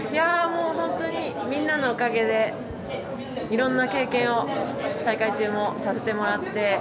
本当にみんなのおかげでいろんな経験を大会中もさせてもらって。